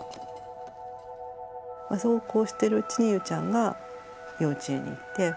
そうこうしてるうちにゆうちゃんが幼稚園に行って。